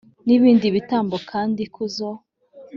N ibindi bitambo kandi ikuzo